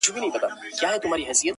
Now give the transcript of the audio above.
پر بچو باندي په ساندو په ژړا سوه -